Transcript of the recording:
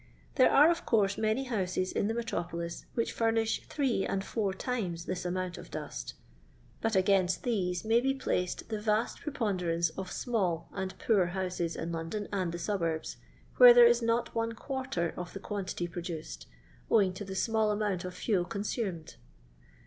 There are, of course, many houses in the metro polis which furnish three and four times this amooH of dust, but against these may be placed the vast preponderance of small and poor houses in London and the suburbs, where there is not one quarter of the quantity produced, owing to the small amount of fuel consumed.